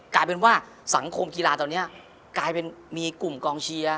กลายเป็นว่าสังคมกีฬาตอนนี้กลายเป็นมีกลุ่มกองเชียร์